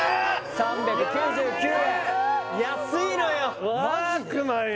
３９９円安いのよマジで？